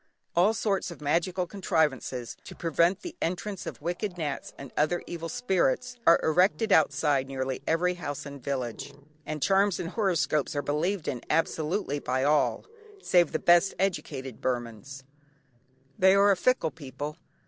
All sorts of magical contrivances to prevent the entrance of wicked "nats" and other evil spirits, are erected outside nearly every house and village, and charms and horoscopes are believed in absolutely by all save the best educated Burmans. They are a fickle people.